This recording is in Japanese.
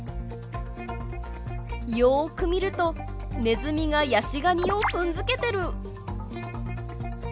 よく見るとネズミがヤシガニを踏んづけてる！